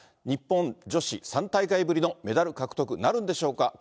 日本女子３大会ぶりのメダル獲得なるんでしょうか。